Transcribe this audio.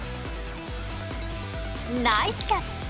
ナイスキャッチ！